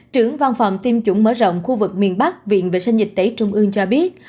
trưởng văn phòng tiêm chủng mở rộng khu vực miền bắc viện vệ sinh dịch tễ trung ương cho biết